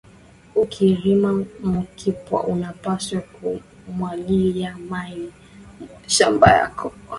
Uki rima mu kipwa una pashwa ku mwangiya mayi mu mashamba yako